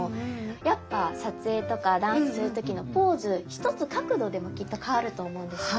やっぱ撮影とかダンスする時のポーズ一つ角度でもきっと変わると思うんですね。